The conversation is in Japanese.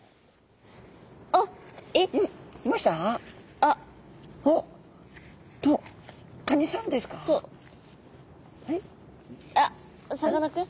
あさかなクン？